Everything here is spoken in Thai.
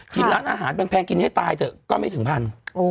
กินร้านอาหารแพงกินให้ตายเถอะก็ไม่ถึงพัน